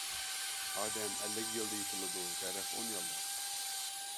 ئادەم ئەللىك يىلدا يېتىلىدۇ، دەرەخ ئون يىلدا.